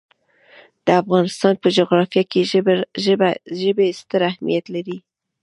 د افغانستان په جغرافیه کې ژبې ستر اهمیت لري.